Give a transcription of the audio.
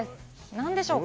なんでしょうか？